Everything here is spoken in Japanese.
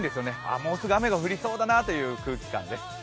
もうすぐ雨が降りそうだなという空気感です。